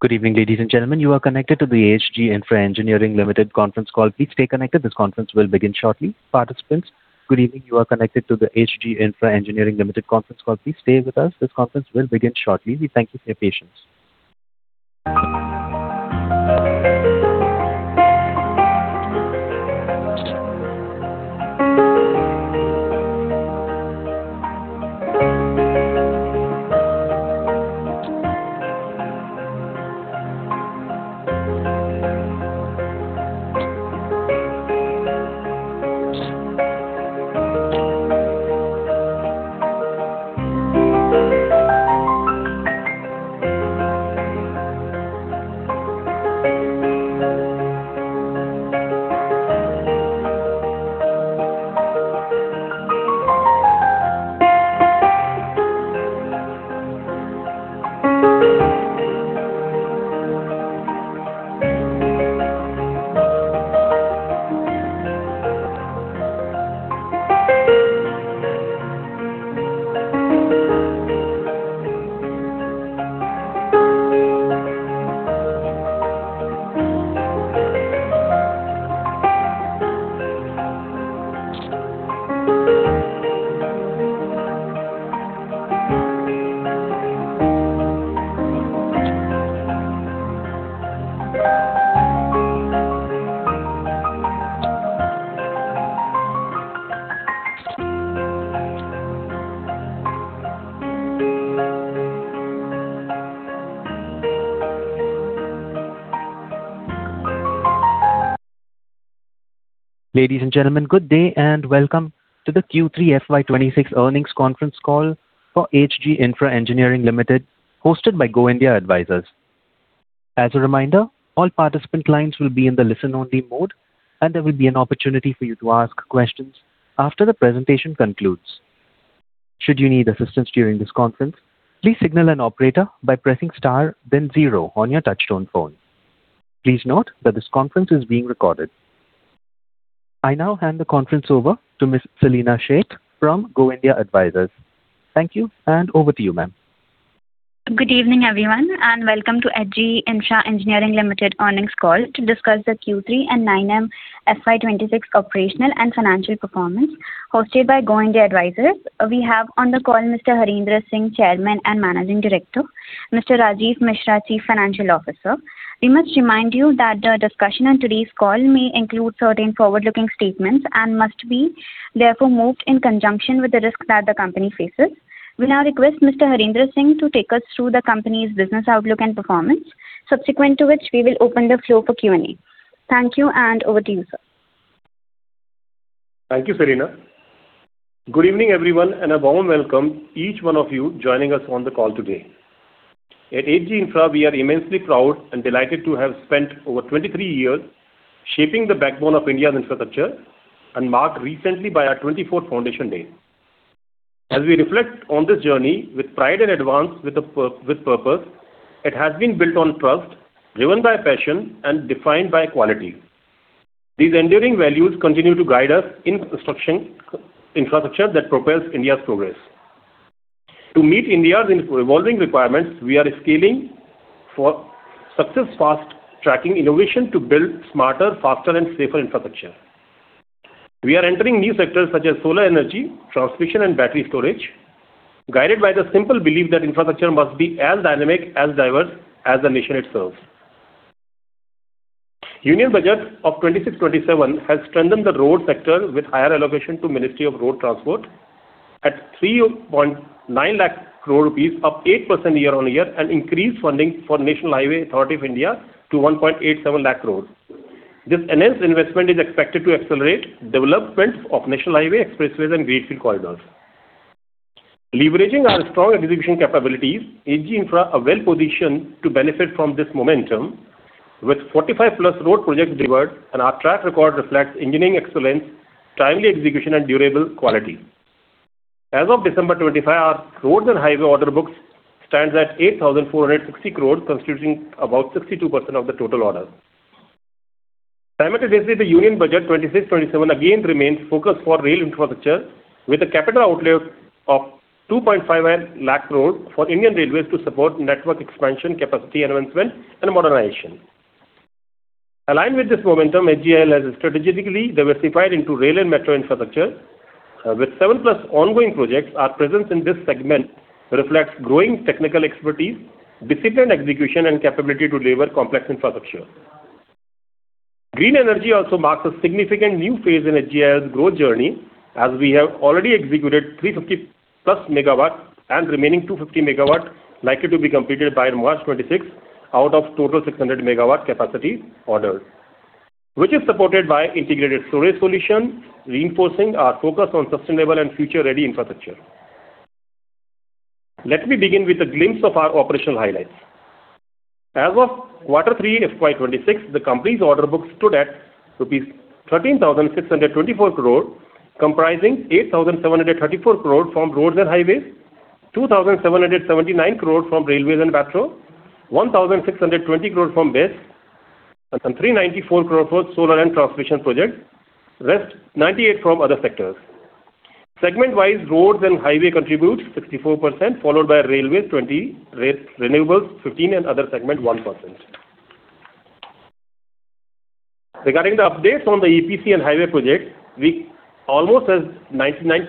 Good evening, ladies and gentlemen. You are connected to the H.G. Infra Engineering Limited conference call. Please stay connected. This conference will begin shortly. Participants, good evening. You are connected to the H.G. Infra Engineering Limited conference call. Please stay with us. This conference will begin shortly. We thank you for your patience. Ladies and gentlemen, good day, and welcome to the Q3 FY26 earnings conference call for H.G. Infra Engineering Limited, hosted by Go India Advisors. As a reminder, all participant lines will be in the listen-only mode, and there will be an opportunity for you to ask questions after the presentation concludes. Should you need assistance during this conference, please signal an operator by pressing star then zero on your touchtone phone. Please note that this conference is being recorded. I now hand the conference over to Miss Selina Sheikh from Go India Advisors. Thank you, and over to you, ma'am. Good evening, everyone, and welcome to H.G. Infra Engineering Limited earnings call to discuss the Q3 and 9M FY26 operational and financial performance, hosted by Go India Advisors. We have on the call Mr. Harendra Singh, Chairman and Managing Director, Mr. Rajeev Mishra, Chief Financial Officer. We must remind you that the discussion on today's call may include certain forward-looking statements and must be therefore viewed in conjunction with the risks that the company faces. We now request Mr. Harendra Singh to take us through the company's business outlook and performance, subsequent to which we will open the floor for Q&A. Thank you, and over to you, sir. Thank you, Selina. Good evening, everyone, and a warm welcome each one of you joining us on the call today. At HG Infra, we are immensely proud and delighted to have spent over 23 years shaping the backbone of India's infrastructure and marked recently by our 24th foundation day. As we reflect on this journey with pride and advance with a with purpose, it has been built on trust, driven by passion, and defined by quality. These enduring values continue to guide us in construction, infrastructure that propels India's progress. To meet India's evolving requirements, we are scaling for success, fast-tracking innovation to build smarter, faster, and safer infrastructure. We are entering new sectors such as solar energy, transmission, and battery storage, guided by the simple belief that infrastructure must be as dynamic and diverse as the nation itself. Union Budget of 2026-2027 has strengthened the road sector with higher allocation to Ministry of Road Transport at 390,000 crore rupees, up 8% year-on-year, and increased funding for National Highways Authority of India to 187,000 crore. This enhanced investment is expected to accelerate development of national highway, expressways, and greenfield corridors. Leveraging our strong execution capabilities, HG Infra are well-positioned to benefit from this momentum, with 45+ road projects delivered, and our track record reflects engineering excellence, timely execution, and durable quality. As of December 2025, our roads and highway order books stands at 8,460 crore, constituting about 62% of the total orders. Similarly, the Union Budget 2026-27 again remains focused for rail infrastructure, with a capital outlay of 259,000 crore for Indian Railways to support network expansion, capacity enhancement, and modernization. Aligned with this momentum, HG Infra has strategically diversified into rail and metro infrastructure. With 7+ ongoing projects, our presence in this segment reflects growing technical expertise, disciplined execution, and capability to deliver complex infrastructure. Green energy also marks a significant new phase in HG Infra's growth journey, as we have already executed 350+ MW and remaining 250 MW, likely to be completed by March 2026, out of total 600 MW capacity orders, which is supported by integrated storage solution, reinforcing our focus on sustainable and future-ready infrastructure. Let me begin with a glimpse of our operational highlights. As of Quarter 3, FY 2026, the company's order book stood at rupees 13,624 crore, comprising 8,734 crore from roads and highways, 2,779 crore from railways and metro, 1,620 crore from BESS, and 394 crore for solar and transmission projects. Rest, 98 crore from other sectors.... Segment-wise, roads and highway contributes 64%, followed by railways 20%, renewables 15%, and other segment 1%. Regarding the updates on the EPC and highway projects, we almost has 99%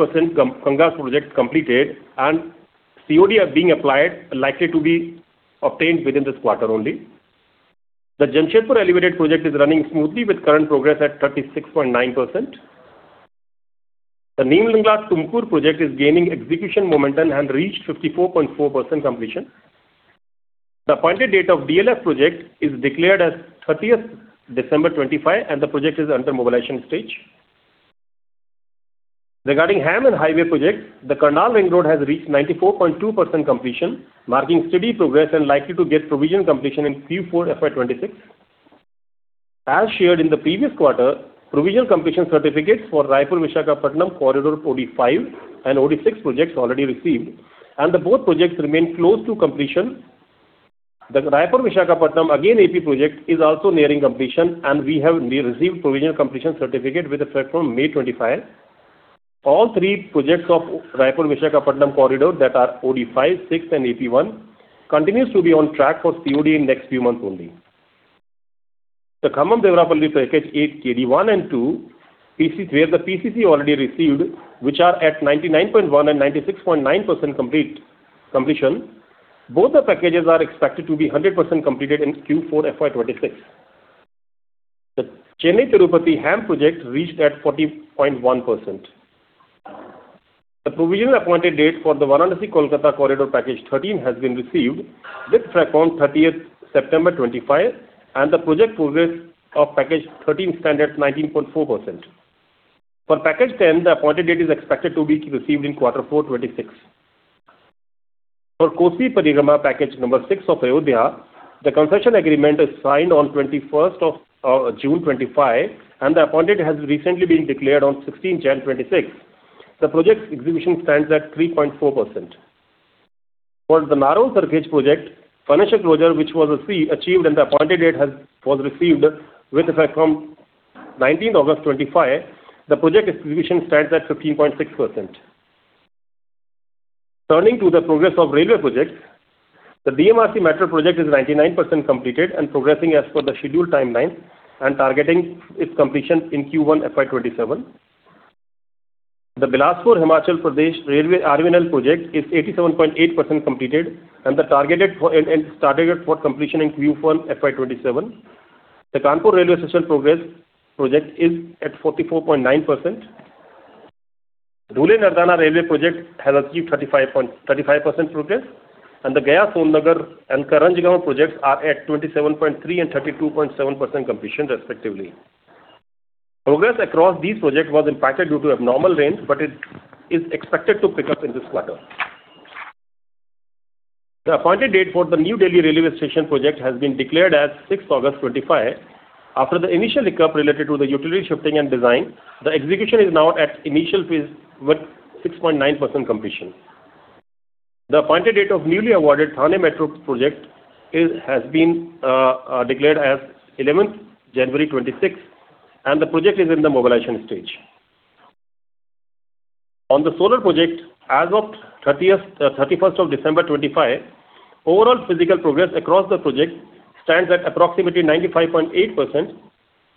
Ganga's project completed, and COD are being applied, likely to be obtained within this quarter only. The Jamshedpur Elevated Project is running smoothly with current progress at 36.9%. The Neelmangala-Tumkur project is gaining execution momentum and reached 54.4% completion. The appointed date of DLF project is declared as 30th December 2025, and the project is under mobilization stage. Regarding HAM and highway projects, the Karnal Ring Road has reached 94.2% completion, marking steady progress and likely to get provisional completion in Q4 FY 2026. As shared in the previous quarter, provisional completion certificates for Raipur-Visakhapatnam Corridor OD-5 and OD-6 projects already received, and the both projects remain close to completion. The Raipur-Visakhapatnam, again, AP project is also nearing completion, and we have received provisional completion certificate with effect from May 2025. All three projects of Raipur-Visakhapatnam Corridor that are OD-5, 6, and AP-1, continues to be on track for COD in next few months only. The Khammam-Devarapalle Package eight, KD-1 and two, PC, where the PCC already received, which are at 99.1% and 96.9% complete, completion. Both the packages are expected to be 100% completed in Q4 FY2026. The Chennai-Tirupati HAM project reached 40.1%. The provisional appointed date for the Varanasi-Kolkata Corridor Package 13 has been received, with effect from 30th September 2025, and the project progress of Package 13 stands at 19.4%. For Package 10, the appointed date is expected to be received in Q4 2026. For Kosi Parikrama, Package six of Ayodhya, the concession agreement is signed on 21st of June 2025, and the appointed date has recently been declared on 16th January 2026. The project's execution stands at 3.4%. For the Narrow Gauge project, financial closure, which was achieved, and the appointed date was received with effect from 19th August 2025. The project execution stands at 15.6%. Turning to the progress of railway projects, the DMRC metro project is 99% completed and progressing as per the scheduled timeline and targeting its completion in Q1 FY 2027. The Bilaspur Himachal Pradesh railway, RVNL project, is 87.8% completed and targeted for completion in Q1 FY 2027. The Kanpur railway station progress project is at 44.9%. Dhule-Nardana railway project has achieved 35% progress, and the Gaya-Sonnagar and Karanjgaon projects are at 27.3% and 32.7% completion respectively. Progress across these projects was impacted due to abnormal rains, but it is expected to pick up in this quarter. The appointed date for the New Delhi railway station project has been declared as 6 August 2025. After the initial hiccup related to the utility shifting and design, the execution is now at initial phase with 6.9% completion. The appointed date of newly awarded Thane Metro project has been declared as 11th January 2026, and the project is in the mobilization stage. On the solar project, as of 31st December 2025, overall physical progress across the project stands at approximately 95.8%,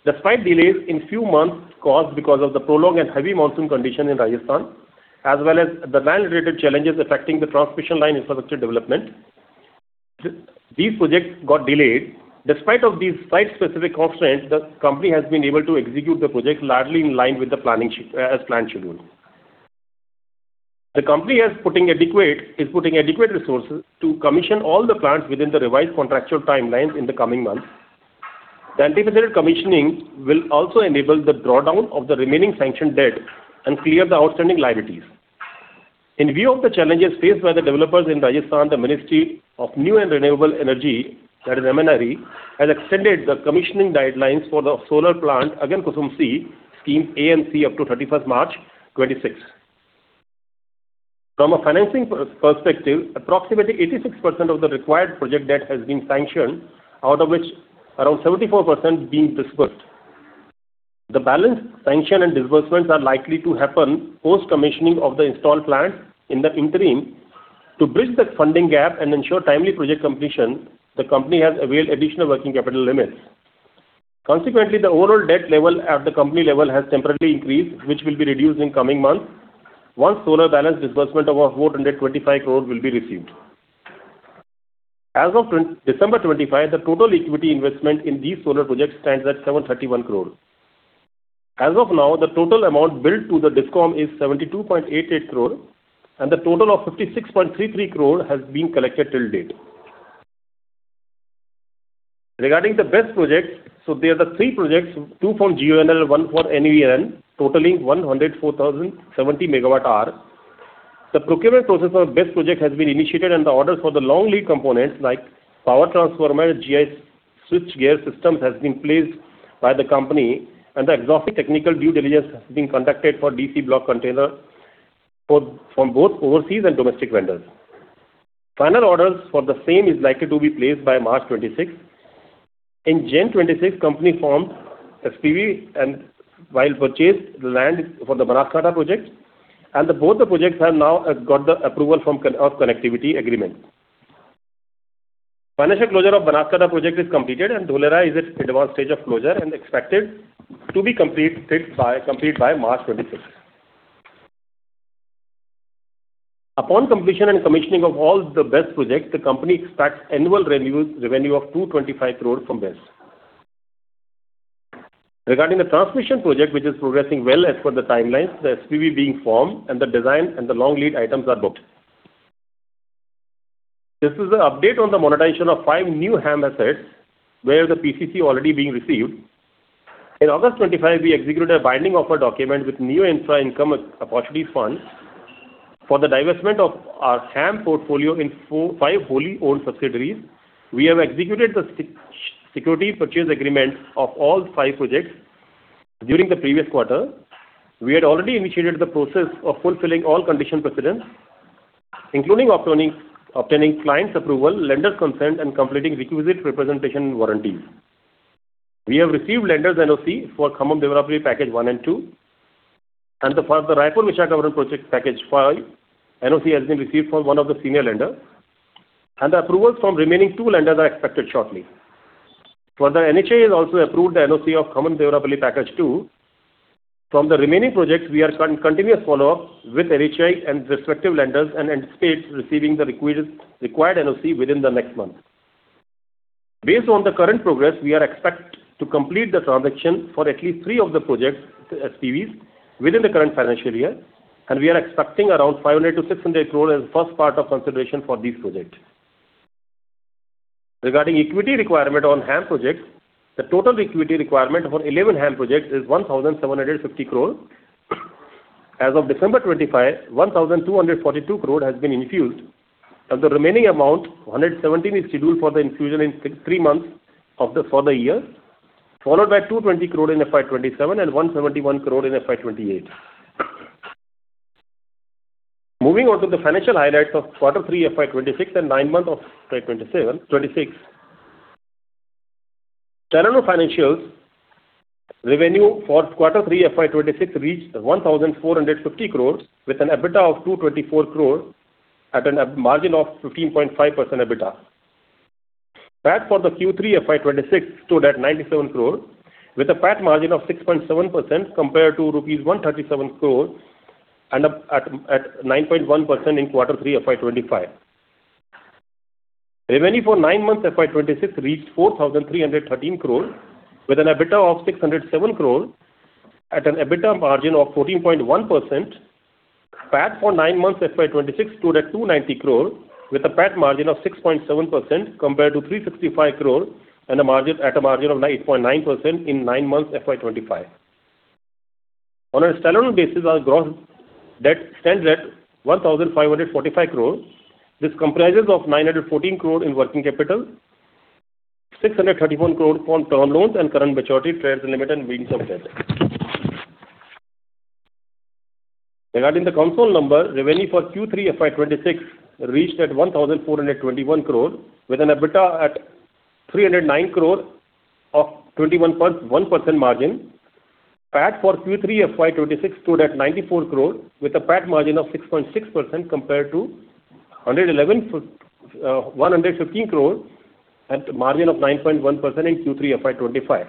despite delays in few months caused because of the prolonged and heavy monsoon condition in Rajasthan, as well as the land-related challenges affecting the transmission line infrastructure development. These projects got delayed. Despite of these site-specific constraints, the company has been able to execute the project largely in line with the planning as planned schedule. The company is putting adequate resources to commission all the plants within the revised contractual timelines in the coming months. The anticipated commissioning will also enable the drawdown of the remaining sanctioned debt and clear the outstanding liabilities. In view of the challenges faced by the developers in Rajasthan, the Ministry of New and Renewable Energy, that is MNRE, has extended the commissioning guidelines for the solar plant, again, KUSUM C, Scheme A and C, up to thirty-first March 2026. From a financing perspective, approximately 86% of the required project debt has been sanctioned, out of which around 74% being disbursed. The balance sanction and disbursements are likely to happen post-commissioning of the installed plant in the interim. To bridge that funding gap and ensure timely project completion, the company has availed additional working capital limits. Consequently, the overall debt level at the company level has temporarily increased, which will be reduced in coming months once solar balance disbursement of over 425 crore will be received. As of December 25, the total equity investment in these solar projects stands at 731 crore. As of now, the total amount billed to the DISCOM is 72.88 crore, and the total of 56.33 crore has been collected till date. Regarding the BESS project, so there are the three projects, two from GUVNL and one from NVVN, totaling 104,070 MWh. The procurement process for BESS project has been initiated, and the orders for the long lead components, like power transformer, GIS switchgear systems, has been placed by the company, and the exhaustive technical due diligence has been conducted for DC block container for, from both overseas and domestic vendors. Final orders for the same is likely to be placed by March 2026. In June 2026, company formed SPV and while purchased the land for the Banaskantha project, and both the projects have now got the approval from con- of connectivity agreement. Financial closure of Banaskantha project is completed, and Dholera is at advanced stage of closure and expected to be completed by, complete by March 2026. Upon completion and commissioning of all the BESS projects, the company expects annual revenue, revenue of 225 crore from this. Regarding the transmission project, which is progressing well as per the timelines, the SPV being formed and the design and the long lead items are booked. This is an update on the monetization of five new HAM assets, where the PCC already being received. In August 2025, we executed a binding offer document with Neo Infra Income Opportunities Fund. For the divestment of our HAM portfolio in 4-5 wholly owned subsidiaries, we have executed the security purchase agreement of all five projects during the previous quarter. We had already initiated the process of fulfilling all conditions precedent, including obtaining clients' approval, lenders' consent, and completing requisite representation warranties. We have received lenders' NOC for Khammam-Devrapalli package one and two, and for the Raipur-Visakhapatnam project package five, NOC has been received from one of the senior lender, and the approvals from remaining two lenders are expected shortly. Further, NHAI has also approved the NOC of Khammam-Devrapalli package two. From the remaining projects, we are continuously following up with NHAI and respective lenders and anticipate receiving the requisite required NOC within the next month. Based on the current progress, we expect to complete the transaction for at least three of the projects, SPVs, within the current financial year, and we are expecting around 500 crore-600 crore as the first part of consideration for these projects. Regarding equity requirement on HAM projects, the total equity requirement for 11 HAM projects is 1,750 crore. As of December 25, 1,242 crore has been infused, and the remaining amount, 117, is scheduled for the infusion in six, three months of the further year, followed by 220 crore in FY 2027 and 171 crore in FY 2028. Moving on to the financial highlights of Q3 FY 2026 and nine months of FY 2027, 2026. Standalone financials, revenue for Q3 FY 2026 reached 1,450 crores, with an EBITDA of 224 crore, at an EBITDA margin of 15.5% EBITDA. PAT for the Q3 FY 2026 stood at 97 crore, with a PAT margin of 6.7% compared to 137 crore and a 9.1% in Q3 FY 2025. Revenue for nine months FY 2026 reached INR 4,313 crore, with an EBITDA of INR 607 crore, at an EBITDA margin of 14.1%. PAT for nine months FY 2026 stood at 290 crore, with a PAT margin of 6.7%, compared to 365 crore and a margin of 9.9% in nine months FY 2025. On a standalone basis, our gross debt stands at 1,545 crore. This comprises of 914 crore in working capital, 631 crore for term loans and current maturities, trade limits and working capital limits. Regarding the consolidated number, revenue for Q3 FY 2026 reached at 1,421 crore, with an EBITDA at 309 crore of 21.1% margin. PAT for Q3 FY 2026 stood at 94 crore with a PAT margin of 6.6% compared to 111, one hundred and fifteen crore, at a margin of 9.1% in Q3 FY 2025.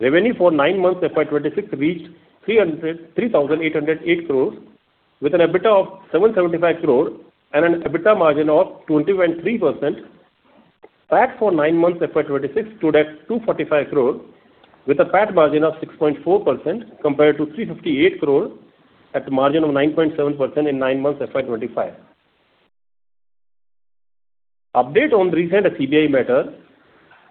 Revenue for nine months FY 2026 reached 3,308 crore, with an EBITDA of 775 crore and an EBITDA margin of 20.3%. PAT for nine months FY 2026 stood at 245 crore, with a PAT margin of 6.4%, compared to 358 crore at a margin of 9.7% in nine months FY 2025. Update on recent CBI matter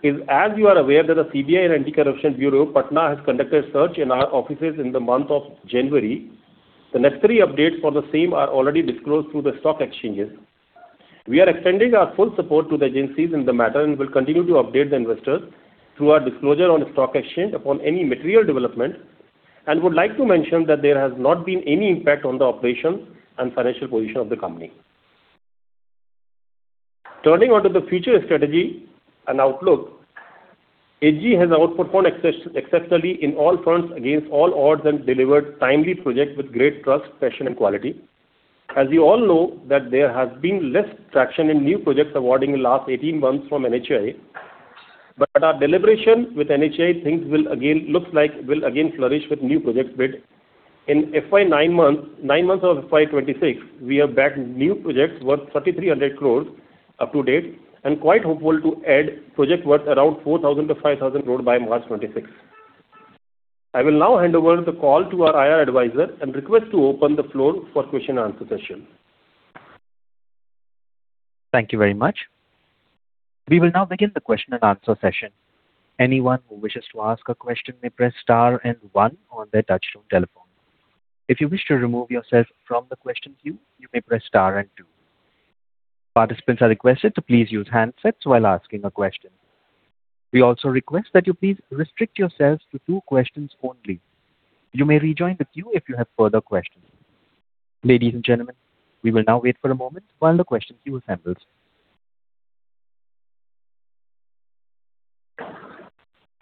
is, as you are aware, that the CBI and Anti-Corruption Bureau, Patna, has conducted search in our offices in the month of January. The next three updates for the same are already disclosed through the stock exchanges. We are extending our full support to the agencies in the matter and will continue to update the investors through our disclosure on the stock exchange upon any material development, and would like to mention that there has not been any impact on the operations and financial position of the company. Turning to the future strategy and outlook, HG has outperformed exceptionally in all fronts against all odds and delivered timely projects with great trust, passion, and quality. As you all know, that there has been less traction in new projects awarding in last 18 months from NHAI. But our deliberation with NHAI, things will again, looks like will again flourish with new project bid. In FY nine month, nine months of FY 26, we have bagged new projects worth 3,300 crore up to date and quite hopeful to add project worth around 4,000-5,000 crore by March 2026. I will now hand over the call to our IR advisor and request to open the floor for question and answer session. Thank you very much. We will now begin the question and answer session. Anyone who wishes to ask a question may press star and one on their touchtone telephone. If you wish to remove yourself from the question queue, you may press star and two. Participants are requested to please use handsets while asking a question... We also request that you please restrict yourselves to two questions only. You may rejoin the queue if you have further questions. Ladies and gentlemen, we will now wait for a moment while the question queue assembles.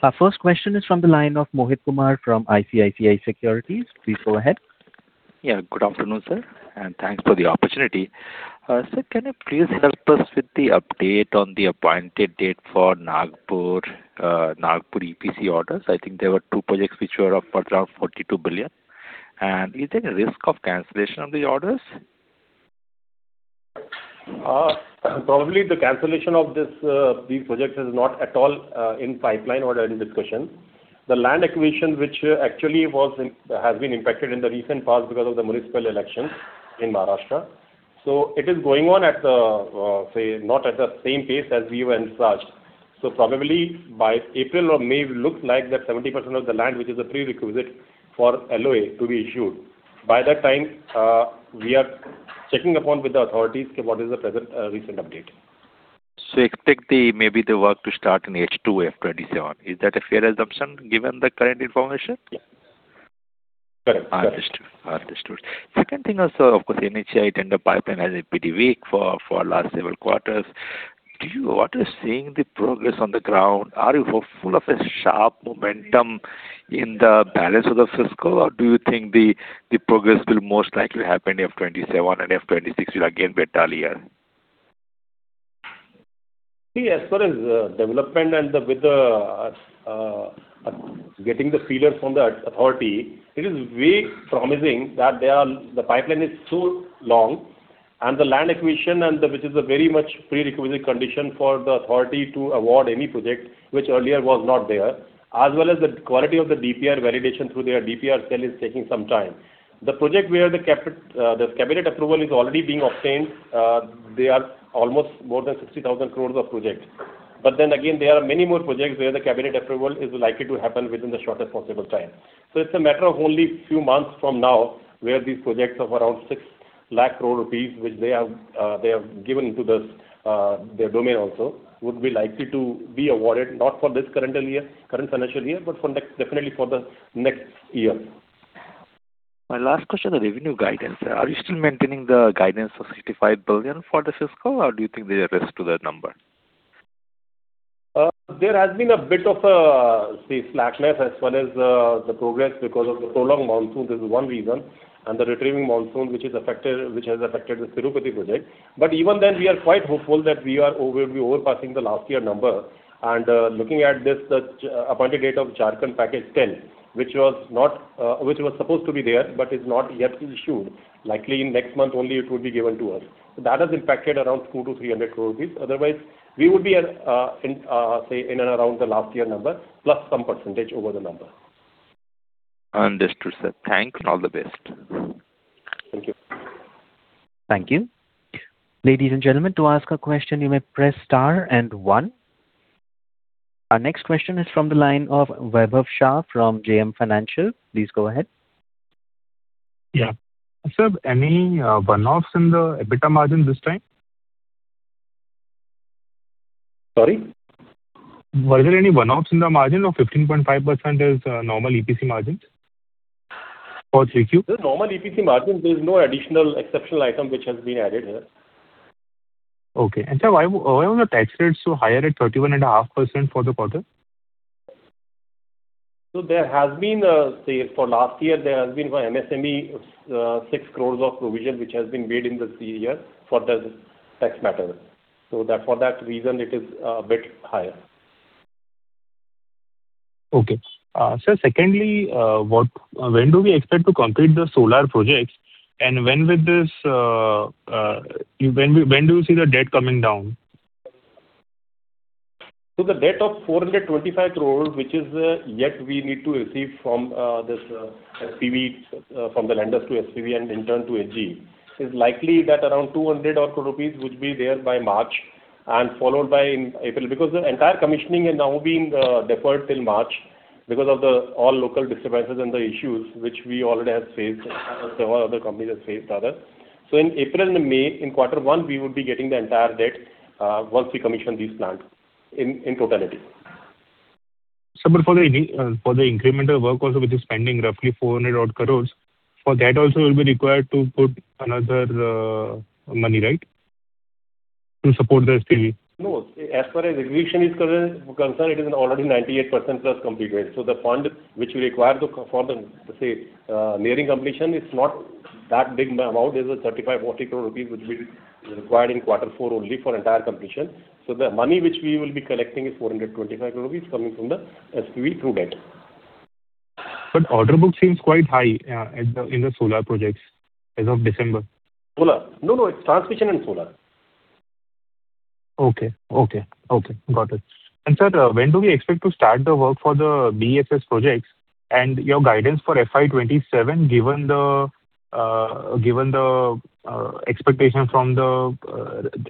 Our first question is from the line of Mohit Kumar from ICICI Securities. Please go ahead. Yeah. Good afternoon, sir, and thanks for the opportunity. Sir, can you please help us with the update on the appointed date for Nagpur EPC orders? I think there were two projects which were of around 42 billion. Is there a risk of cancellation of the orders? Probably the cancellation of this these projects is not at all in pipeline or under discussion. The land acquisition, which actually has been impacted in the recent past because of the municipal elections in Maharashtra. So it is going on at the say not at the same pace as we were envisaged. So probably by April or May, it looks like that 70% of the land, which is a prerequisite for LOA to be issued. By that time, we are checking upon with the authorities what is the present recent update. So expect maybe the work to start in H2 FY 2027. Is that a fair assumption, given the current information? Yeah. Correct. Understood. Understood. Second thing also, of course, NHAI tender pipeline has been pretty weak for last several quarters. Do you see the progress on the ground? Are you hopeful of a sharp momentum in the balance of the fiscal, or do you think the progress will most likely happen in FY 2027 and FY 2026 will again be a dull year? See, as far as development and the, with the getting the feelers from the authority, it is very promising that they are, the pipeline is so long, and the land acquisition, and the, which is a very much prerequisite condition for the authority to award any project, which earlier was not there, as well as the quality of the DPR validation through their DPR cell is taking some time. The project where the cabinet approval is already being obtained, they are almost more than 60,000 crore of projects. But then again, there are many more projects where the cabinet approval is likely to happen within the shortest possible time. It's a matter of only few months from now, where these projects of around 600,000 crore rupees, which they have, they have given to this, their domain also, would be likely to be awarded, not for this current year, current financial year, but for next, definitely for the next year. My last question on the revenue guidance, sir. Are you still maintaining the guidance of 65 billion for this fiscal, or do you think there's a risk to that number? There has been a bit of a, say, slackness as well as the progress because of the prolonged monsoon, this is one reason, and the retreating monsoon, which has affected the Tirupati project. But even then, we are quite hopeful that we are over, we'll be surpassing the last year number. Looking at this, the appointed date of Jharkhand Package 10, which was not, which was supposed to be there, but is not yet issued. Likely in next month only it would be given to us. So that has impacted around 200 crore-300 crore rupees. Otherwise, we would be at, in, say, in and around the last year number, plus some percentage over the number. Understood, sir. Thanks and all the best. Thank you. Thank you. Ladies and gentlemen, to ask a question, you may press star and one. Our next question is from the line of Vaibhav Shah from JM Financial. Please go ahead. Yeah. Sir, any one-offs in the EBITDA margin this time? Sorry? Were there any one-offs in the margin or 15.5% is normal EPC margins for 3Q? The normal EPC margin, there's no additional exceptional item which has been added here. Okay. And, sir, why, why were the tax rates so higher at 31.5% for the quarter? So there has been a, say, for last year, there has been for MSME, 6 crore of provision, which has been made in this year for the tax matter. So that, for that reason, it is a bit higher. Okay. Sir, secondly, when do we expect to complete the solar projects? And when do you see the debt coming down? So the debt of 425 crore, which is yet we need to receive from this SPV, from the lenders to SPV and in turn to HG, is likely that around 200 crore rupees would be there by March and followed by in April. Because the entire commissioning is now being deferred till March because of the all local disturbances and the issues which we already have faced, and several other companies have faced, rather. So in April and May, in quarter one, we would be getting the entire debt once we commission these plants in totality. But for the incremental work also, which is spending roughly 400 crore, for that also you'll be required to put another money, right? To support the SPV. No, as far as acquisition is concerned, it is already 98%+ completed. So the fund which we require for nearing completion, it's not that big amount. There's 35-40 crore rupees, which will be required in quarter four only for entire completion. So the money which we will be collecting is 425 crore rupees coming from the SPV through debt. But order book seems quite high in the solar projects as of December. Solar. No, no, it's transmission and solar. Okay. Okay. Okay, got it. And, sir, when do we expect to start the work for the BESS projects? And your guidance for FY 27, given the, given the, expectation from the,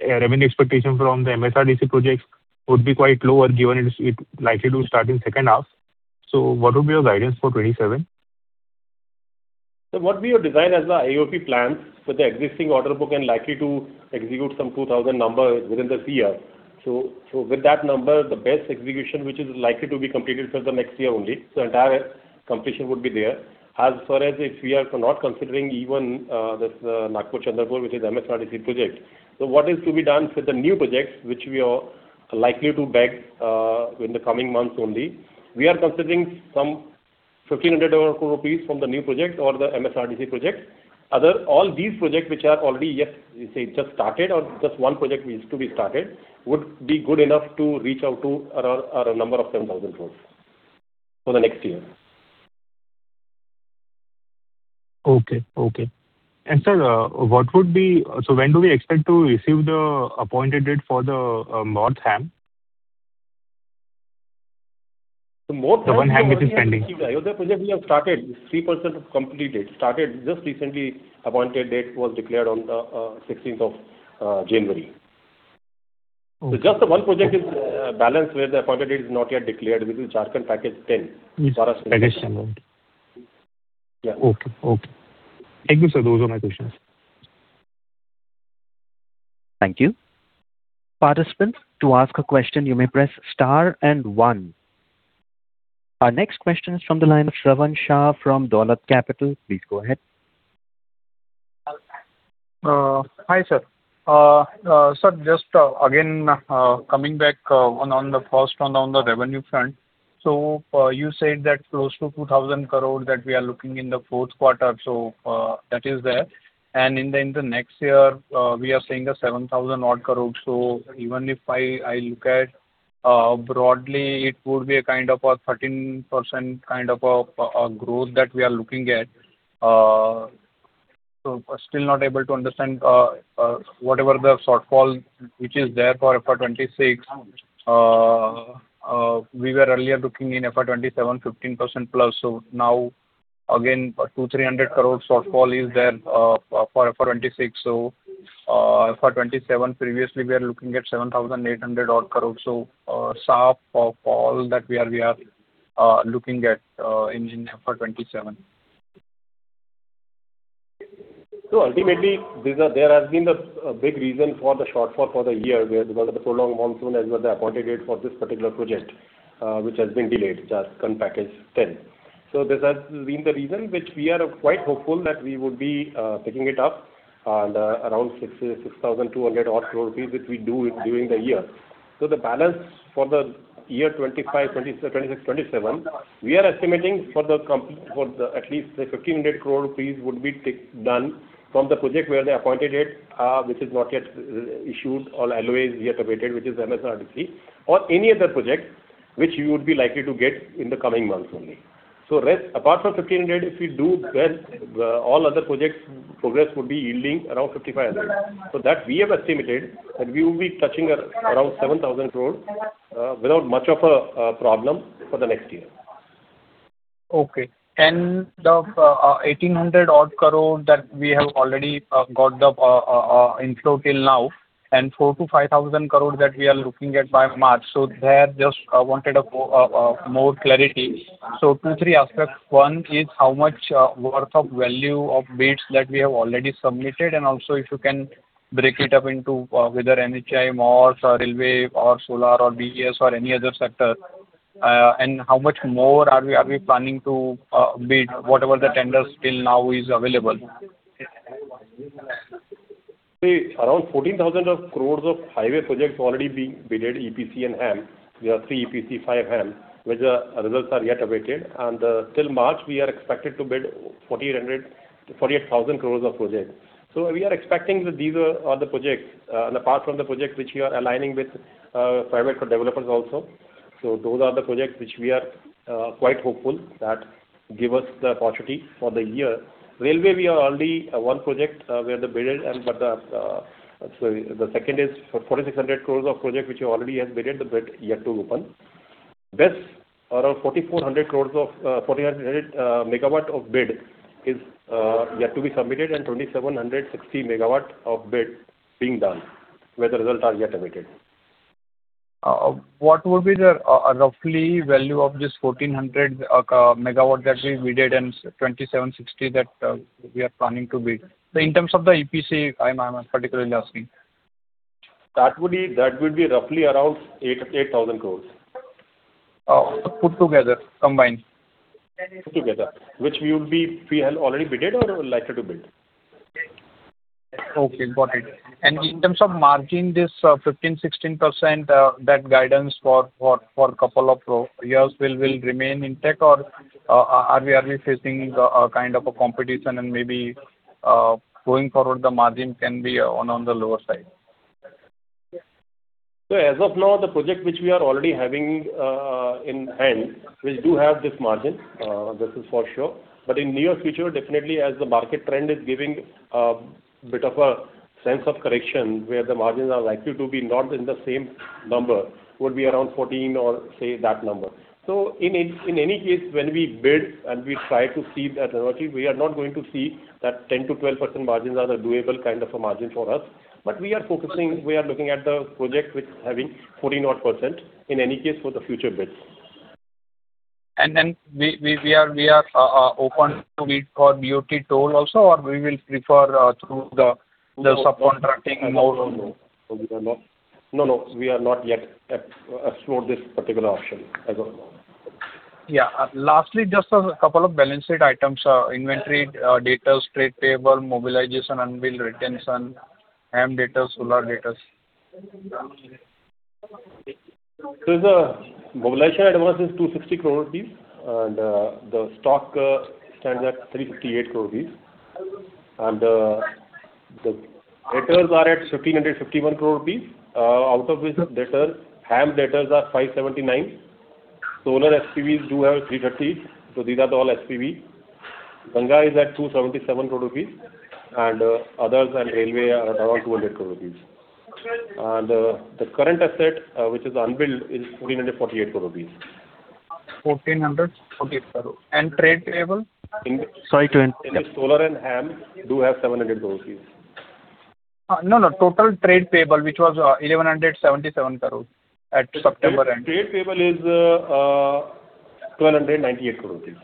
revenue expectation from the MSRDC projects would be quite lower, given it's, it likely to start in second half. So what would be your guidance for 27?... So what we have designed as the AOP plans for the existing order book and likely to execute some 2,000 numbers within this year. So with that number, the best execution, which is likely to be completed for the next year only, so entire completion would be there. As far as if we are not considering even this Nagpur-Chandrapur, which is MSRDC project. So what is to be done for the new projects, which we are likely to bag in the coming months only, we are considering some 1,500 crore rupees from the new project or the MSRDC project. Other all these projects, which are already just started or just one project is to be started, would be good enough to reach out to around a number of 7,000 crore for the next year. Okay, okay. And sir, what would be—so when do we expect to receive the appointed date for the MoRTH's HAM? The MoRs- The one which is pending. Ayodhya project, we have started, 3% is completed. Started just recently, appointed date was declared on the sixteenth of January. Okay. Just the one project is balanced, where the Appointed Date is not yet declared, which is Jharkhand Package 10. Yes, Package 10. Yeah. Okay, okay. Thank you, sir. Those were my questions. Thank you. Participants, to ask a question, you may press Star and One. Our next question is from the line of Shravan Shah from Dolat Capital. Please go ahead. Hi, sir. Sir, just again coming back on the first one on the revenue front. So, you said that close to 2,000 crore that we are looking in the fourth quarter, so, that is there. And in the next year, we are saying a 7,000 odd crore. So even if I look at broadly, it would be a kind of a 13% kind of a growth that we are looking at. So still not able to understand whatever the shortfall which is there for FY 2026. We were earlier looking in FY 2027, 15%+. So now, again, 200-300 crore shortfall is there for FY 2026. So, for FY 2027, previously, we are looking at 7,800 odd crore. So, apart from all that, we are looking at in FY 27. So ultimately, these are a big reason for the shortfall for the year, where because of the prolonged monsoon as well, the appointed date for this particular project, which has been delayed, Jharkhand Package Ten. So this has been the reason which we are quite hopeful that we would be picking it up, around 6,200 odd crore rupees, which we do during the year. So the balance for the year 2025, 2026, 2027, we are estimating for the comp- for at least the 1,500 crore rupees would be take, done from the project where the appointed date, which is not yet issued, all LOIs are yet awaited, which is MSRDC, or any other project which you would be likely to get in the coming months only. Rest, apart from 1,500, if we do well, all other projects progress would be yielding around 5,500. So that we have estimated, and we will be touching at around 7,000 crore, without much of a problem for the next year. Okay. And the 1,800-odd crore that we have already got the inflow till now, and 4,000-5,000 crore that we are looking at by March. So there, just wanted more clarity. So two, three aspects. One is how much worth of value of bids that we have already submitted, and also if you can break it up into whether NHAI, MoRTH or railway or solar or BESS or any other sector, and how much more are we planning to bid, whatever the tenders till now is available? Around 14,000 crore of highway projects already being bid, EPC and HAM. We have three EPC, five HAM, which the results are yet awaited. Till March, we are expected to bid 4,800, 48,000 crores of projects. So we are expecting that these are the projects, apart from the projects which we are aligning with private developers also. So those are the projects which we are quite hopeful that give us the opportunity for the year. Railway, we are only one project where the bidder and, but the, sorry, the second is for 4,600 crore of project, which already has bid, the bid yet to open. This, around 4,400 crore of 4,400 MW of bid is yet to be submitted, and 2,760 MW of bid being done, where the results are yet awaited. What would be the roughly value of this 1,400 megawatt that we bidded and 2,760 that we are planning to bid? In terms of the EPC, I'm particularly asking. That would be roughly around 8,000 crore. Put together, combined. Put together, which we have already bid or likely to bid. Okay, got it. And in terms of margin, this 15%-16% that guidance for a couple of few years will remain intact or are we facing a kind of a competition and maybe going forward, the margin can be on the lower side? As of now, the project which we are already having in hand, we do have this margin, this is for sure. But in near future, definitely as the market trend is giving bit of a sense of correction, where the margins are likely to be not in the same number, would be around 14 or say, that number. So in any case, when we bid and we try to see the technology, we are not going to see that 10%-12% margins are a doable kind of a margin for us. But we are focusing, we are looking at the project which is having 14 odd % in any case for the future bids. ...And then we are open to wait for BOT toll also, or we will prefer through the subcontracting mode? No, no, we are not. No, no, we are not yet explored this particular option as of now. Yeah. Lastly, just a couple of balance sheet items, inventory, debt, trade payables, mobilization, unbilled retention, HAM debt, solar debt. So the mobilization advance is 260 crore rupees, and the stock stands at 358 crore rupees. And the debtors are at 1,551 crore rupees, out of which the debtors, HAM debtors are 579 crore. Solar SPVs do have 330 crore, so these are all SPV. Ganga is at 277 crore rupees, and others and railway are around 200 crore rupees. And the current asset, which is unbilled, is 1,448 crore rupees. 1,448 crore. And trade payable? Sorry to interrupt. Solar and HAM do have 700 crore rupees. No, no, total trade payable, which was 1,177 crore at September end. Trade payable is 1,298 crore rupees,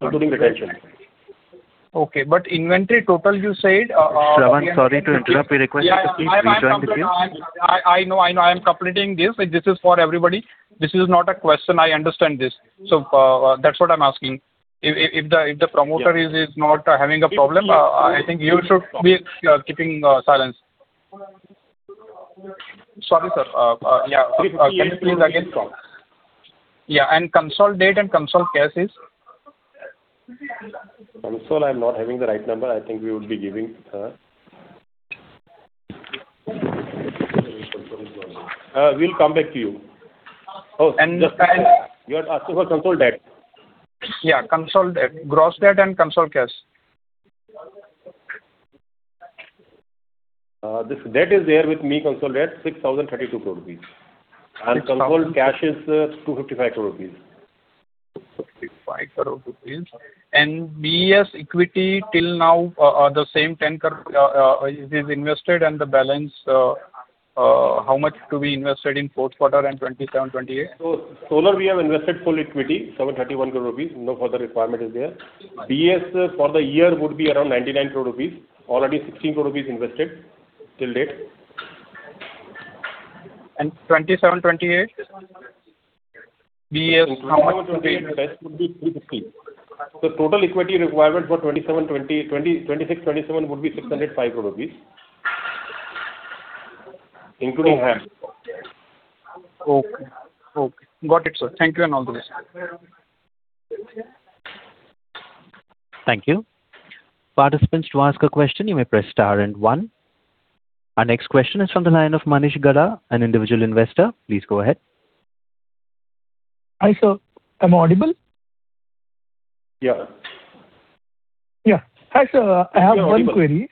including retention. Okay, but inventory total, you said. Shravan, sorry to interrupt. We request you to please join the queue. I know, I know, I am completing this. This is for everybody. This is not a question. I understand this. So, that's what I'm asking. If the promoter is not having a problem, I think you should be keeping silence. Sorry, sir. Yeah. Can you please again come? Yeah, and consolidated debt and consolidated cash is? Console, I'm not having the right number. I think we would be giving, we'll come back to you. Oh, and the- You are asking for consolidated debt. Yeah, consolidated debt. Gross debt and consolidated cash. This debt is there with me, consolidated debt, 6,032 crore rupees. Six thousand- Consolidated cash is 255 crore rupees. 255 crore rupees. BESS equity till now are the same 10 crore is invested, and the balance how much to be invested in fourth quarter and 2027, 2028? Solar, we have invested full equity, 731 crore rupees. No further requirement is there. BESS for the year would be around 99 crore rupees. Already 16 crore rupees invested till date. 27, 28? BESS, how much- Would be 350 crore. The total equity requirement for 2027, 2020, 2026, 2027 would be 605 crore rupees. Including HAM. Okay. Okay. Got it, sir. Thank you, and all the best. Thank you. Participants, to ask a question, you may press star and one. Our next question is from the line of Manish Gada, an individual investor. Please go ahead. Hi, sir. Am I audible? Yeah. Yeah. Hi, sir. You are audible. I have one query.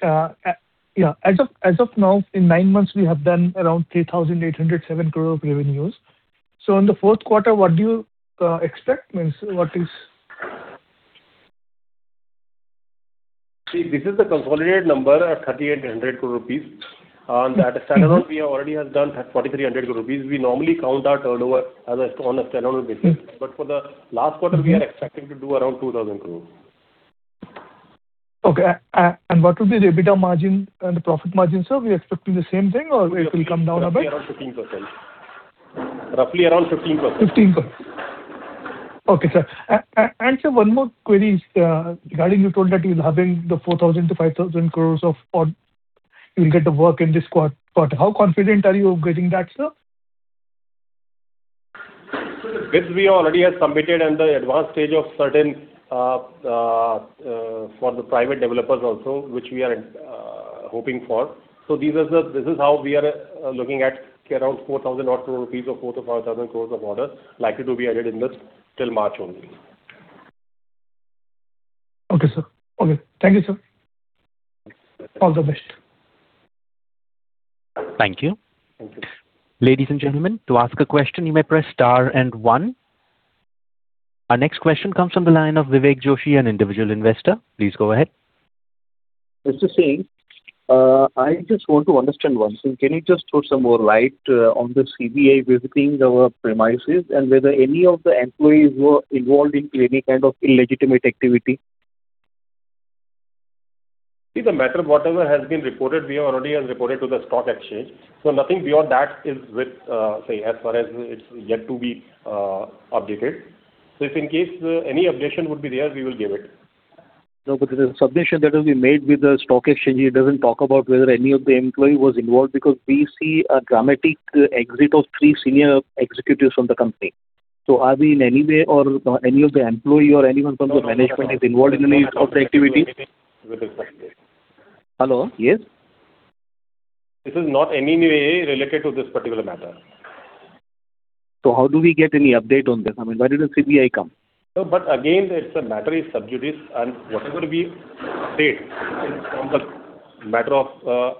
Yeah, as of, as of now, in nine months, we have done around 3,807 crore of revenues. So in the fourth quarter, what do you expect? Means, what is... See, this is the consolidated number of 3,800 crore rupees. At a standalone, we already have done 4,300 crore rupees. We normally count our turnover as a, on a standalone basis, but for the last quarter, we are expecting to do around 2,000 crore. Okay. And what will be the EBITDA margin and the profit margin, sir? We are expecting the same thing, or it will come down a bit? Around 15%. Roughly around 15%. 15%. Okay, sir. And sir, one more query is, regarding you told that you'll having the 4,000 crore-5,000 crore of, or you will get the work in this quarter. How confident are you getting that, sir? This we already have submitted in the advanced stage of certain for the private developers also, which we are hoping for. So this is how we are looking at around 4,000 crore or 4,000-5,000 crore of orders likely to be added in this till March only. Okay, sir. Okay. Thank you, sir. All the best. Thank you. Thank you. Ladies and gentlemen, to ask a question, you may press star and one. Our next question comes from the line of Vivek Joshi, an individual investor. Please go ahead. Mr. Singh, I just want to understand one thing. Can you just throw some more light on the CBI visiting our premises, and whether any of the employees were involved in any kind of illegitimate activity? See, the matter, whatever has been reported, we already have reported to the stock exchange, so nothing beyond that is with, say, as far as it's yet to be, updated. So if in case, any updation would be there, we will give it. No, because the submission that has been made with the stock exchange, it doesn't talk about whether any of the employee was involved, because we see a dramatic exit of three senior executives from the company. So are we in any way or any of the employee or anyone from the management is involved in any of the activity?... Hello? Yes. This is not any way related to this particular matter. How do we get any update on this? I mean, why did the CBI come? No, but again, it's a matter is sub judice, and whatever we state from the matter of,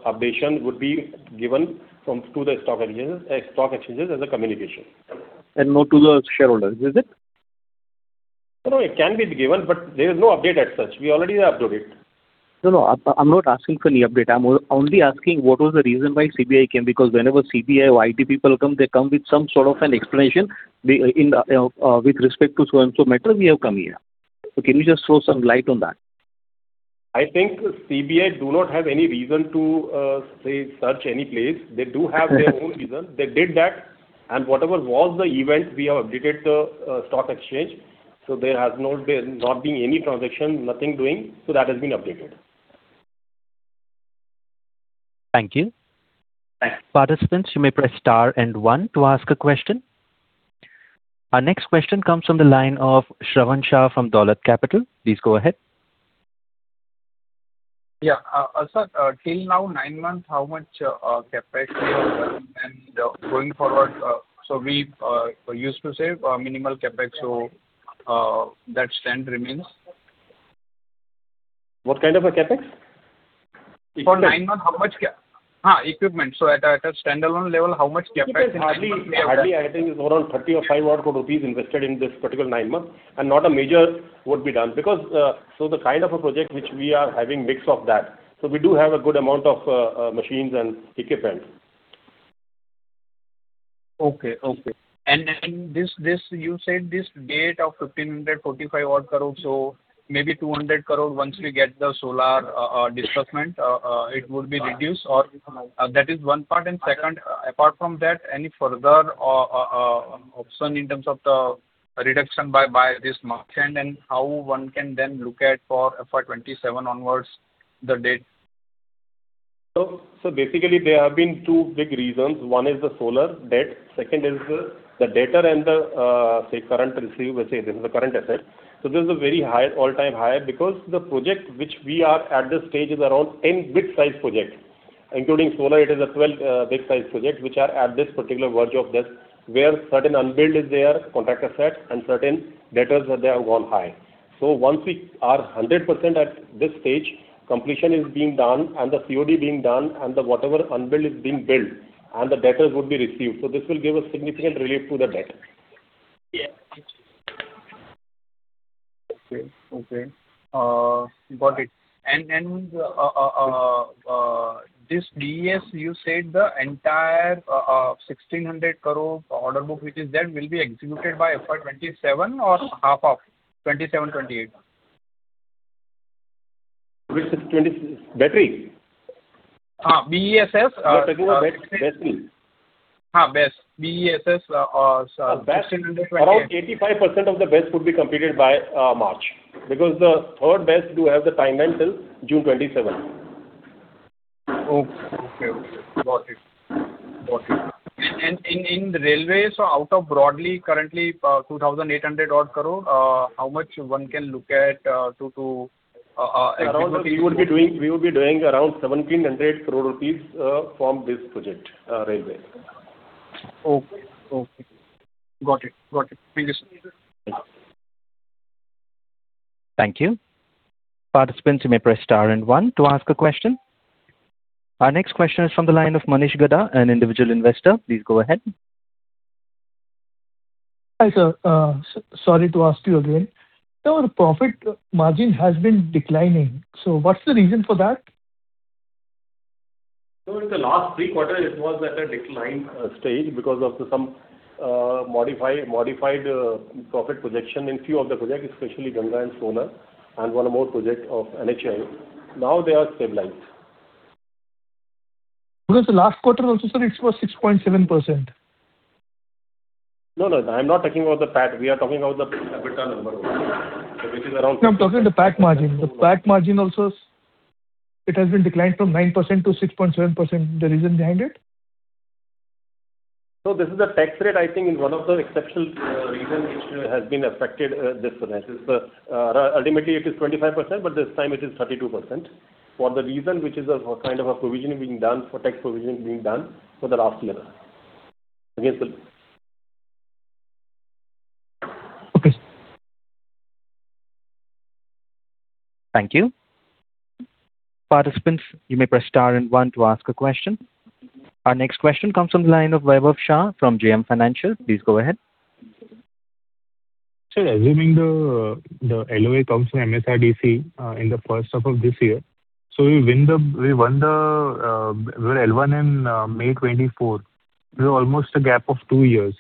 updation would be given from, to the stock exchanges, stock exchanges as a communication. Not to the shareholders, is it?... No, no, it can be given, but there is no update as such. We already have updated. No, no, I'm not asking for any update. I'm only asking what was the reason why CBI came, because whenever CBI or IT people come, they come with some sort of an explanation with respect to so and so matter, we have come here. So can you just throw some light on that? I think CBI do not have any reason to search any place. They do have their own reason. They did that, and whatever was the event, we have updated the stock exchange, so there has not been any transaction, nothing doing, so that has been updated. Thank you. Participants, you may press star and one to ask a question. Our next question comes from the line of Shravan Shah from Dolat Capital. Please go ahead. Yeah. Sir, till now, nine months, how much CapEx and going forward, so we used to say minimal CapEx, so that stance remains? What kind of a CapEx? For nine months, how much CapEx equipment? So at a standalone level, how much CapEx is- Hardly, hardly, I think it's around 30 or 35 odd crore rupees invested in this particular nine months, and not a major would be done. Because, so the kind of a project which we are having mix of that, so we do have a good amount of machines and equipment. Okay. Okay. And this, you said this debt of 1,545-odd crore, so maybe 200 crore, once we get the solar disbursement, it would be reduced, or that is one part. And second, apart from that, any further option in terms of the reduction by this margin, and how one can then look at for FY 2027 onwards, the debt? So, basically, there have been two big reasons. One is the solar debt, second is the debtor and the, say, current receivable, say, this is the current asset. So this is a very high, all-time high, because the project which we are at this stage is around 10 big-sized project. Including solar, it is a 12, big-sized project, which are at this particular verge of this, where certain unbilled is there, contract asset, and certain debtors that they have gone high. So once we are 100% at this stage, completion is being done and the COD being done, and the whatever unbilled is being billed, and the debtors would be received. So this will give a significant relief to the debt. Yeah. Thank you. Okay. Okay. Got it. And, and, this BESS, you said the entire, 1,600 crore order book, which is there, will be executed by FY 2027 or half of 2027, 2028? Which 20... Battery? BESS You're talking about BESS only. BESS. BESS, INR 1,600 crore. Around 85% of the BESS would be completed by March, because the third BESS do have the timeline till June 27. Okay. Okay, okay. Got it. Got it. And, and in, in the railway, so out of broadly, currently, 2,800 odd crore, how much one can look at, to, to, Around, we would be doing, we would be doing around 1,700 crore rupees from this project, railway. Okay. Okay. Got it. Got it. Thank you, sir. Thank you. Participants, you may press star and one to ask a question. Our next question is from the line of Manish Gada, an individual investor. Please go ahead. Hi, sir. Sorry to ask you again. Sir, the profit margin has been declining, so what's the reason for that? In the last three quarters, it was at a decline stage because of some modified profit projection in few of the projects, especially Ganga and Solar, and one more project of NHAI. Now they are stabilized. But in the last quarter also, sir, it was 6.7%. No, no, I'm not talking about the PAT. We are talking about the EBITDA number, which is around- No, I'm talking the PAT margin. The PAT margin also, it has been declined from 9% to 6.7%. The reason behind it? This is a tax rate, I think, in one of the exceptional reason which has been affected this finance. Ultimately, it is 25%, but this time it is 32%. For the reason, which is a kind of a provisioning being done, for tax provisioning being done for the last year. Again, sir. Okay. Thank you. Participants, you may press star and one to ask a question. Our next question comes from the line of Vaibhav Shah from JM Financial. Please go ahead. Sir, assuming the LOA comes from MSRDC in the first half of this year, so we win the—we won the, we were L1 in May 2024. This is almost a gap of two years.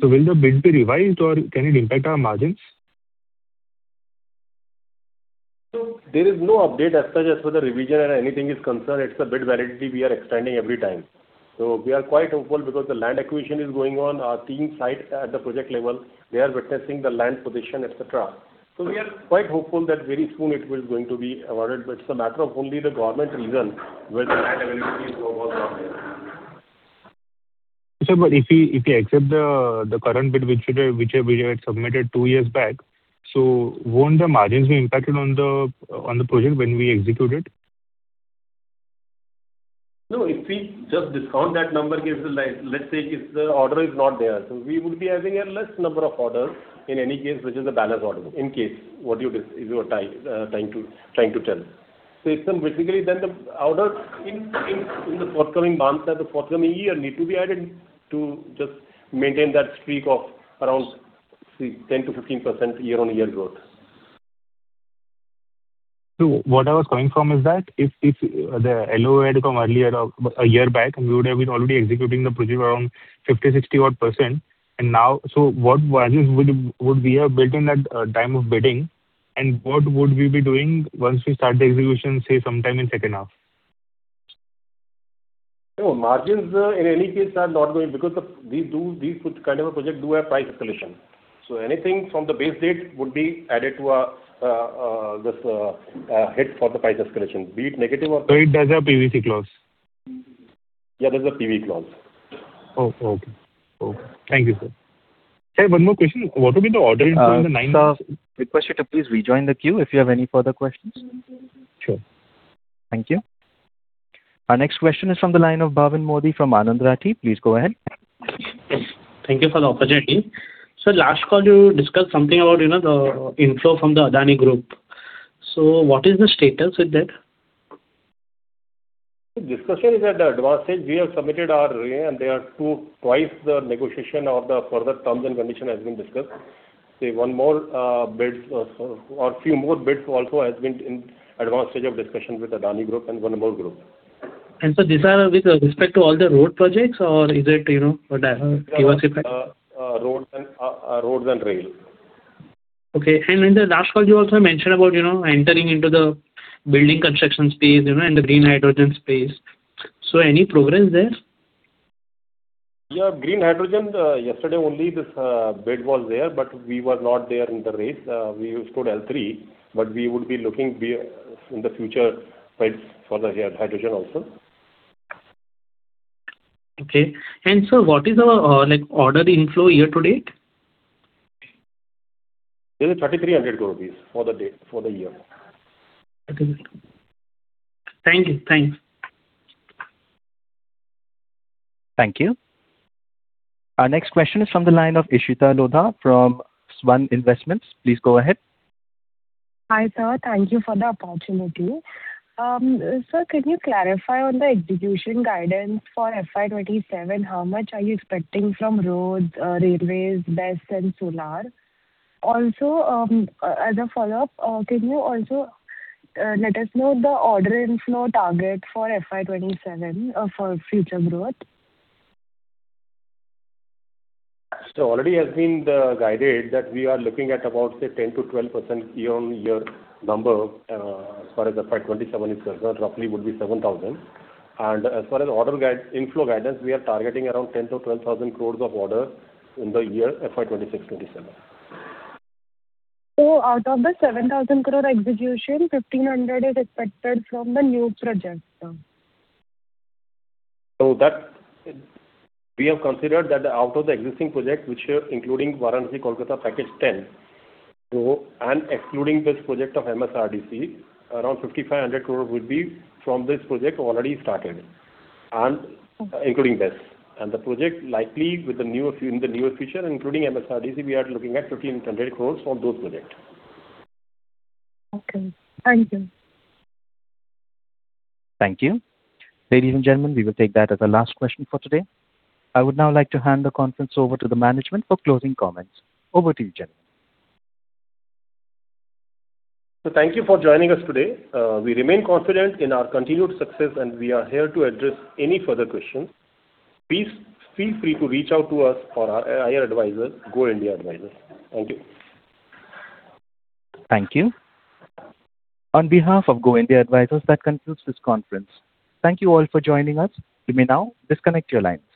So will the bid be revised, or can it impact our margins? So there is no update as such as to the revision and anything is concerned. It's a bid validity we are extending every time. So we are quite hopeful because the land acquisition is going on. Our team on site at the project level, they are witnessing the land position, et cetera. So we are quite hopeful that very soon it is going to be awarded, but it's a matter of only the government reason when the land availability is over there. Sir, but if we accept the current bid which we had submitted two years back, so won't the margins be impacted on the project when we execute it? No, if we just discount that number, gives, like, let's say, if the order is not there, so we would be having a less number of orders in any case, which is the balance order. In case what you're trying to tell... So basically, then the orders in the forthcoming months or the forthcoming year need to be added to just maintain that streak of around, say, 10%-15% year-on-year growth. So what I was coming from is that if the LOI had come earlier, a year back, we would have been already executing the project around 50, 60 odd percent. And now, so what margins would we have built in that time of bidding, and what would we be doing once we start the execution, say, sometime in second half? No, margins, in any case are not going because of these two, these kind of a project do have price escalation. So anything from the base date would be added to, this, hit for the price escalation, be it negative or- It does have PVC clause? Yeah, there's a PVC clause. Oh, okay. Oh, thank you, sir. Sir, one more question. What would be the order in the nine- Sir, request you to please rejoin the queue if you have any further questions. Sure. Thank you. Our next question is from the line of Bhavin Modi from Anand Rathi. Please go ahead. Thank you for the opportunity. Sir, last call you discussed something about, you know, the inflow from the Adani Group. So what is the status with that? Discussion is at the advanced stage. We have submitted our RA, and they are two... twice the negotiation of the further terms and condition has been discussed. Say, one more, bids or, or few more bids also has been in advanced stage of discussion with Adani Group and one more group. So these are with respect to all the road projects, or is it, you know, what I have- Roads and roads and rail. Okay. In the last call, you also mentioned about, you know, entering into the building construction space, you know, and the green hydrogen space. Any progress there? Yeah, green hydrogen, yesterday only this bid was there, but we were not there in the race. We stood L3, but we would be looking in the future bids for the hydrogen also. Okay. Sir, what is our, like, order inflow year to date? It is 3,300 crore rupees for the date, for the year. Thank you. Thanks. Thank you. Our next question is from the line of Ishita Lodha from Swan Investments. Please go ahead. Hi, sir. Thank you for the opportunity. Sir, could you clarify on the execution guidance for FY 27, how much are you expecting from roads, railways, BESS and solar? Also, as a follow-up, can you also let us know the order inflow target for FY 27, for future growth? So already has been guided that we are looking at about, say, 10%-12% year-on-year number, as far as FY 2027 is concerned, roughly would be 7,000 crore. And as far as order inflow guidance, we are targeting around 10,000-12,000 crore of order in the year FY 2026-27. So out of the 7,000 crore execution, 1,500 crore is expected from the new projects, sir? So, we have considered that out of the existing project, which including Varanasi, Kolkata package 10, and excluding this project of MSRDC, around 5,500 crore would be from this project already started and including this. And the project likely with the new, in the newer future, including MSRDC, we are looking at 1,500 crore from those project. Okay. Thank you. Thank you. Ladies and gentlemen, we will take that as the last question for today. I would now like to hand the conference over to the management for closing comments. Over to you, gentlemen. So thank you for joining us today. We remain confident in our continued success, and we are here to address any further questions. Please feel free to reach out to us or our IR advisors, Go India Advisors. Thank you. Thank you. On behalf of Go India Advisors, that concludes this conference. Thank you all for joining us. You may now disconnect your line.